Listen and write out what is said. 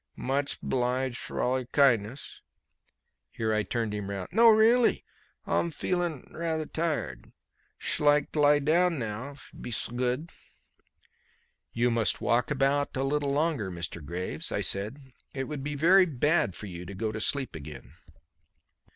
Much 'bliged frall your kindness" here I turned him round "no, really; m'feeling rather tired. Sh'like to lie down now, f'you'd be s'good." "You must walk about a little longer, Mr. Graves," I said. "It would be very bad for you to go to sleep again."